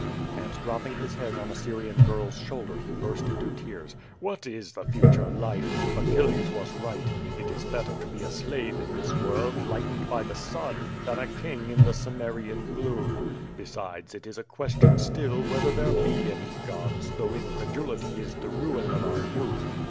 And dropping his head on a Syrian girl's shoulder he burst into tears. "What is the future life? Achilles was right — it is better to be a slave in this world, lightened by the sun, than a king in the Cim merian gloom. Besides, it is a question still whether there be any gods, though incredulity is the ruin of our youth."